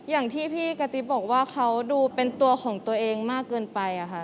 อย่างที่พี่กะติ๊บบอกว่าเขาดูเป็นตัวของตัวเองมากเกินไปอะค่ะ